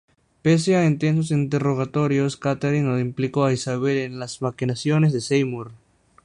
Pese a intensos interrogatorios, Catherine no implicó a Isabel en las maquinaciones de Seymour.